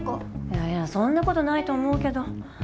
いやいやそんなことないと思うけど。